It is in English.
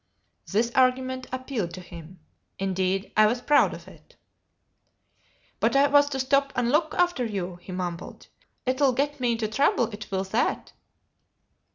This argument appealed to him; indeed, I was proud of it. "But I was to stop an' look after you," he mumbled; "it'll get me into trooble, it will that!"